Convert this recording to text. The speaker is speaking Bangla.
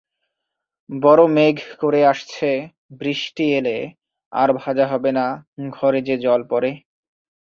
বড় মেঘ করে আসচে, বিষ্টি এলে আর ভাজা হবে না,-ঘরে যে জল পড়ে!